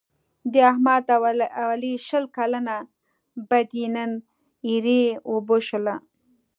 د احمد او علي شل کلنه بدي نن ایرې اوبه شوله.